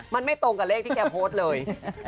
มันไม่ตรงกับเลขที่แกโพสต์เลย